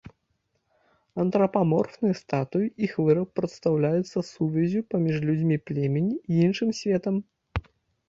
Антрапаморфныя статуі, іх выраб прадстаўляюцца сувяззю паміж людзьмі племені і іншым светам.